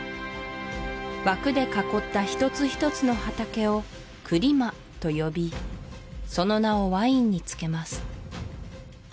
枠で囲った一つ一つの畑をクリマと呼びその名をワインにつけます